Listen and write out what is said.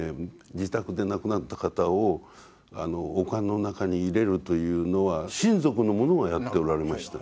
自宅で亡くなった方をお棺の中に入れるというのは親族の者がやっておられました。